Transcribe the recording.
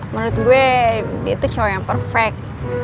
menurut gue dia itu cowok yang perfect